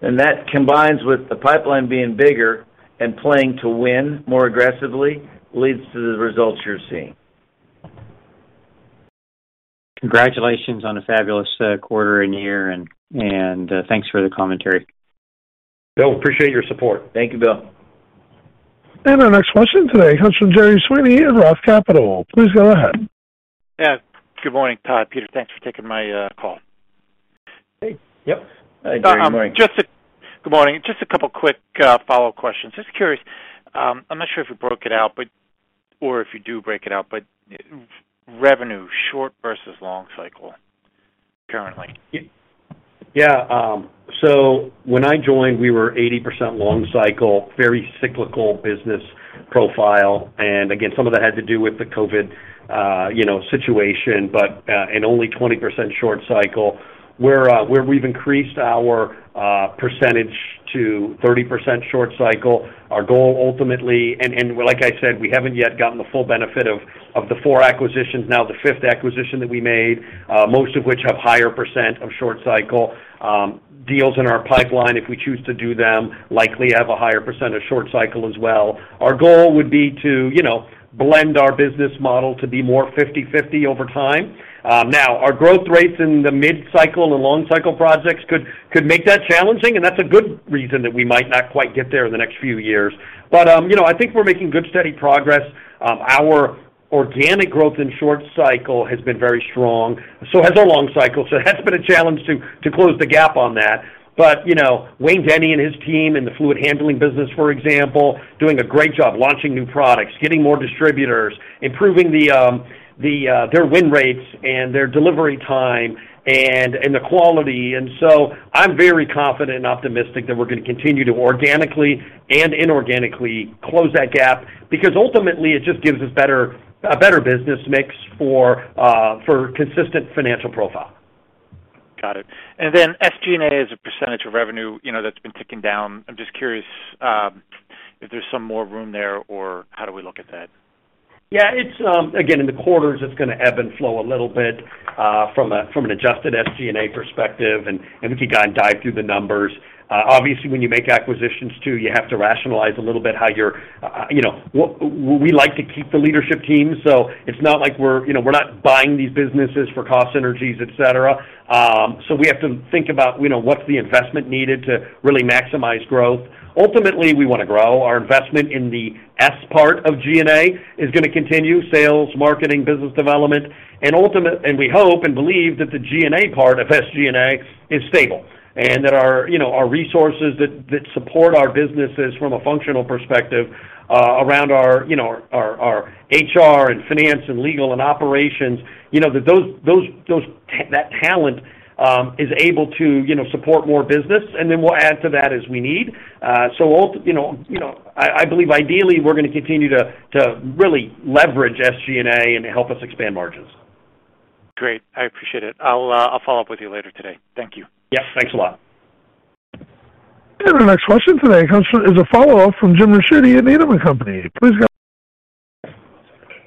That combines with the pipeline being bigger and playing to win more aggressively leads to the results you're seeing. Congratulations on a fabulous quarter and year, and thanks for the commentary. Bill, appreciate your support. Thank you, Bill. Our next question today comes from Gerry Sweeney of ROTH Capital. Please go ahead. Yeah. Good morning, Todd. Peter, thanks for taking my call. Hey. Yep. Hi, Gerry. Good morning. Good morning. Just a couple quick follow-up questions. Just curious, I'm not sure if you broke it out, but or if you do break it out, but revenue short versus long cycle currently? When I joined, we were 80% long cycle, very cyclical business profile. Again, some of that had to do with the COVID, you know, situation, only 20% short cycle. We've increased our percentage to 30% short cycle. Our goal ultimately, like I said, we haven't yet gotten the full benefit of the four acquisitions now, the 5th acquisition that we made, most of which have higher percent of short cycle, deals in our pipeline, if we choose to do them, likely have a higher percent of short cycle as well. Our goal would be to, you know, blend our business model to be more 50/50 over time. Now our growth rates in the mid-cycle and long cycle projects could make that challenging, and that's a good reason that we might not quite get there in the next few years. You know, I think we're making good, steady progress. Our organic growth in short cycle has been very strong, so has our long cycle, so it has been a challenge to close the gap on that. You know, Wayne Denny and his team in the fluid handling business, for example, doing a great job launching new products, getting more distributors, improving the their win rates and their delivery time and the quality. I'm very confident and optimistic that we're gonna continue to organically and inorganically close that gap because ultimately it just gives us a better business mix for consistent financial profile. Got it. Then SG&A as a percentage of revenue, you know, that's been ticking down. I'm just curious if there's some more room there or how do we look at that? Yeah, it's again, in the quarters, it's gonna ebb and flow a little bit from an adjusted SG&A perspective. We can go and dive through the numbers. Obviously, when you make acquisitions too, you have to rationalize a little bit how you're, you know, we like to keep the leadership team. It's not like we're, you know, we're not buying these businesses for cost synergies, et cetera. We have to think about, you know, what's the investment needed to really maximize growth. Ultimately, we wanna grow. Our investment in the S part of G&A is gonna continue, sales, marketing, business development. Ultimately we hope and believe that the G&A part of SG&A is stable, and that our, you know, our resources that support our businesses from a functional perspective, around our, you know, our HR and finance and legal and operations, you know, that those that talent is able to, you know, support more business, and then we'll add to that as we need. Ultimately you know, I believe ideally, we're gonna continue to really leverage SG&A and help us expand margins. Great. I appreciate it. I'll follow up with you later today. Thank you. Yep. Thanks a lot. Our next question today is a follow-up from Jim Ricchiuti at Needham & Company.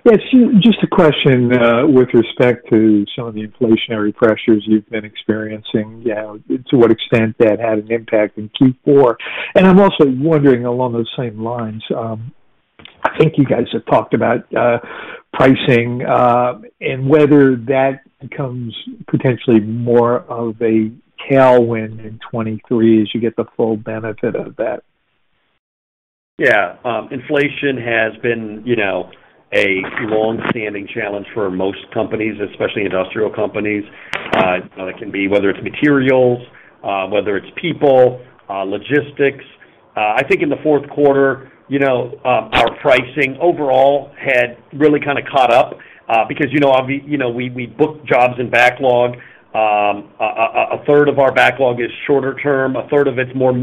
Please go. Yes. Just a question, with respect to some of the inflationary pressures you've been experiencing, you know, to what extent that had an impact in Q4. I'm also wondering along those same lines, I think you guys have talked about pricing, and whether that becomes potentially more of a tailwind in 2023 as you get the full benefit of that. Yeah. Inflation has been, you know, a long-standing challenge for most companies, especially industrial companies. It can be whether it's materials, whether it's people, logistics. I think in the fourth quarter, you know, our pricing overall had really kinda caught up because, you know, we book jobs in backlog. A third of our backlog is shorter term, a third of it's more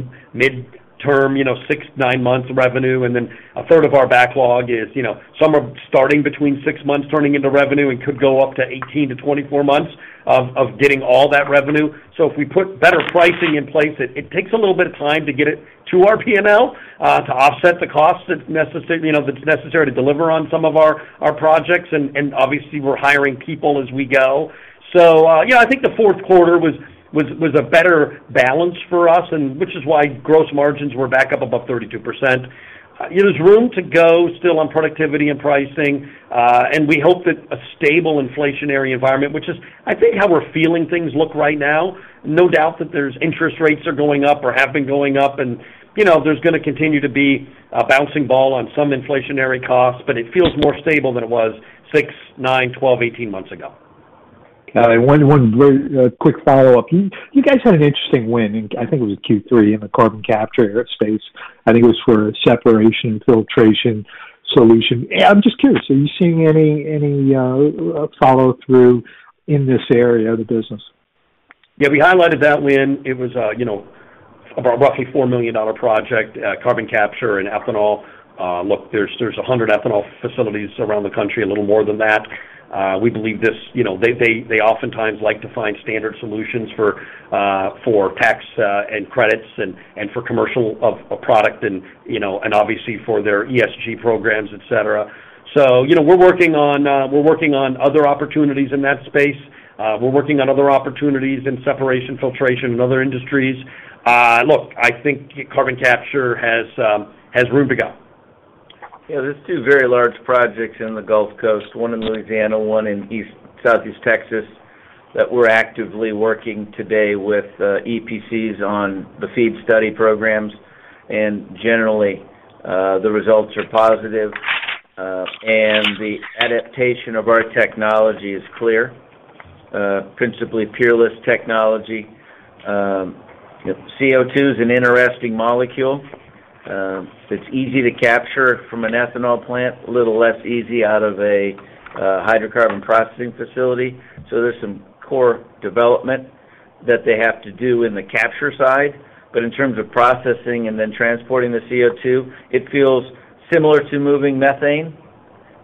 midterm, you know, six, nine months revenue, and then a third of our backlog is, you know, some are starting between six months turning into revenue and could go up to 18-24 months of getting all that revenue. If we put better pricing in place, it takes a little bit of time to get it to our P&L, to offset the costs that's necessary to deliver on some of our projects. Obviously we're hiring people as we go. I think the fourth quarter was a better balance for us and which is why gross margins were back up above 32%. There's room to go still on productivity and pricing. We hope that a stable inflationary environment, which is I think how we're feeling things look right now. No doubt that there's interest rates are going up or have been going up. You know, there's gonna continue to be a bouncing ball on some inflationary costs, but it feels more stable than it was six, nine, 12, 18 months ago. Got it. One very quick follow-up. You guys had an interesting win in I think it was Q3 in the carbon capture airspace. I think it was for separation filtration solution. I'm just curious, are you seeing any follow-through in this area of the business? We highlighted that win. It was, you know, about roughly $4 million project, carbon capture and ethanol. Look, there's 100 ethanol facilities around the country, a little more than that. We believe this, you know, they oftentimes like to find standard solutions for tax and credits and for commercial of a product and, you know, obviously for their ESG programs, et cetera. You know, we're working on other opportunities in that space. We're working on other opportunities in Separation Filtration in other industries. Look, I think carbon capture has room to go. Yeah. There's two very large projects in the Gulf Coast, one in Louisiana, one in Southeast Texas. We're actively working today with EPCs on the FEED study programs. Generally, the results are positive. The adaptation of our technology is clear. Principally Peerless technology. CO2 is an interesting molecule. It's easy to capture from an ethanol plant, a little less easy out of a hydrocarbon processing facility. There's some core development that they have to do in the capture side. In terms of processing and then transporting the CO2, it feels similar to moving methane.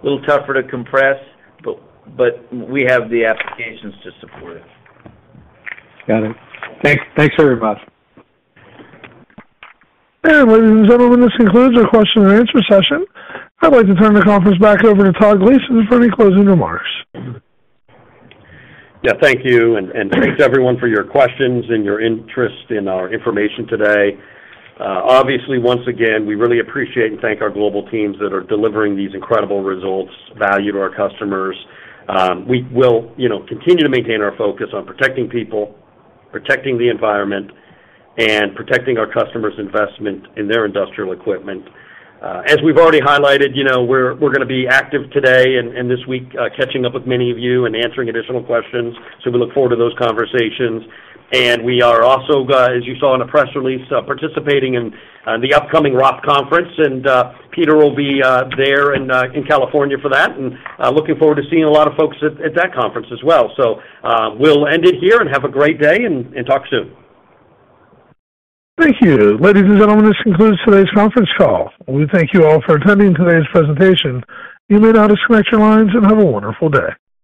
A little tougher to compress, but we have the applications to support it. Got it. Thanks. Thanks very much. Ladies and gentlemen, this concludes our question-and-answer session. I'd like to turn the conference back over to Todd Gleason for any closing remarks. Yeah, thank you. Thanks everyone for your questions and your interest in our information today. Obviously, once again, we really appreciate and thank our global teams that are delivering these incredible results value to our customers. We will, you know, continue to maintain our focus on protecting people, protecting the environment, and protecting our customers' investment in their industrial equipment. As we've already highlighted, you know, we're gonna be active today and this week, catching up with many of you and answering additional questions. We look forward to those conversations. We are also, as you saw in the press release, participating in the upcoming ROTH Conference, and Peter will be there in California for that. Looking forward to seeing a lot of folks at that conference as well. We'll end it here and have a great day and talk soon. Thank you. Ladies and gentlemen, this concludes today's conference call. We thank you all for attending today's presentation. You may now disconnect your lines, and have a wonderful day.